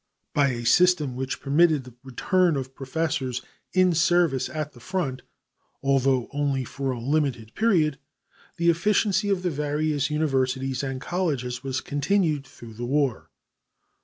By a system which permitted the return of professors in service at the front, although only for a limited period, the efficiency of the various universities and colleges was continued through the war.